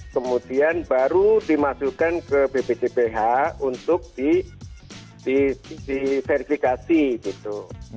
kemudian baru dimasukkan ke bpjph untuk diverifikasi gitu